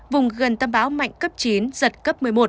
vùng gần tâm bão mạnh cấp chín giật cấp một mươi một